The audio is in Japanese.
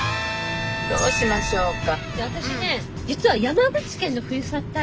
どうしましょうか？